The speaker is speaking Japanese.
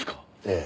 ええ。